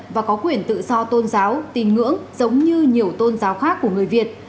và có quyền tự do tôn giáo tín ngưỡng giống như nhiều tôn giáo khác của người việt